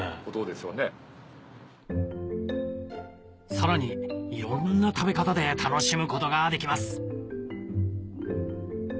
さらにいろんな食べ方で楽しむことができます